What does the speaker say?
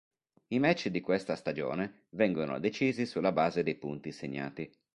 I match di questa stagione vengono decisi sulla base dei punti segnati.